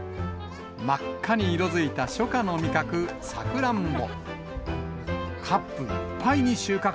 真っ赤に色づいた初夏の味覚、サクランボ。